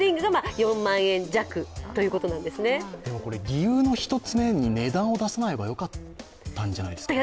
理由の１つ目に値段を出さない方がよかったんじゃないですか。